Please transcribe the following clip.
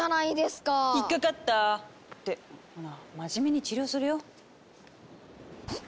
引っ掛かった！ってほら真面目に治療するよ。